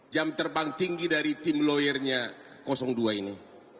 jam terbang tinggi dari tim lawyernya dua ini